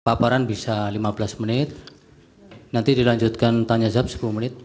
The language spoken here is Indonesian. paparan bisa lima belas menit nanti dilanjutkan tanya jawab sepuluh menit